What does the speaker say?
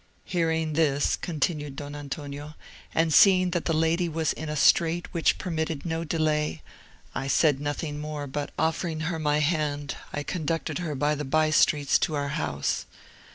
"Hearing this," continued Don Antonio, "and seeing that the lady was in a strait which permitted no delay, I said nothing more, but offering her my hand, I conducted her by the by streets to our house.